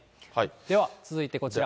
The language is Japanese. では続いてこちら。